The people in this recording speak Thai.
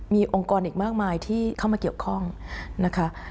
มีองค์กรอีกมากมายที่เข้ามาเกี่ยวข้องนะคะ